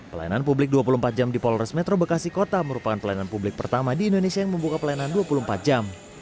pelayanan publik dua puluh empat jam di polres metro bekasi kota merupakan pelayanan publik pertama di indonesia yang membuka pelayanan dua puluh empat jam